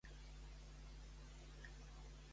Quan va néixer Margaluz?